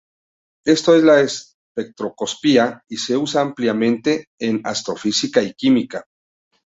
Esto es la espectroscopia y se usa ampliamente en astrofísica y química.